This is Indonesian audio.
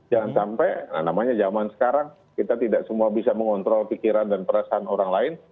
jangan sampai namanya zaman sekarang kita tidak semua bisa mengontrol pikiran dan perasaan orang lain